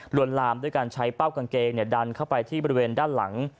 วนลามด้วยการใช้เป้ากางเกงดันเข้าไปที่บริเวณด้านหลัง